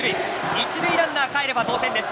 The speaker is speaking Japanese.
一塁ランナーかえれば逆転です。